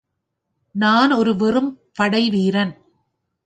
நான் ஒரு வெறும் படைவீரன்.